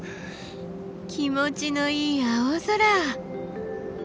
気持ちのいい青空。